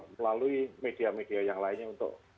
melalui media media yang lainnya untuk